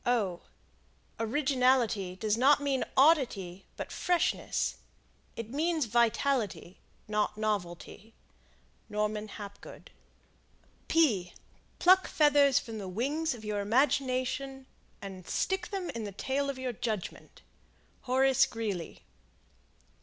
Originality does not mean oddity, but freshness. It means vitality, not novelty. Norman Hapgood. Pluck feathers from the wings of your imagination, and stick them in the tail of your judgment. Horace Greeley.